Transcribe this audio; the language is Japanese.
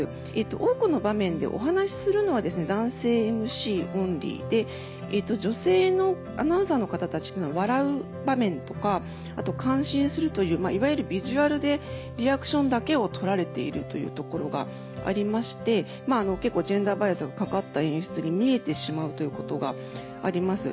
多くの場面でお話しするのは男性ＭＣオンリーで女性のアナウンサーの方たちっていうのは笑う場面とか感心するといういわゆるビジュアルでリアクションだけを取られているというところがありまして結構ジェンダーバイアスがかかった演出に見えてしまうということがあります。